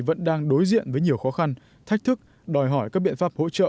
vẫn đang đối diện với nhiều khó khăn thách thức đòi hỏi các biện pháp hỗ trợ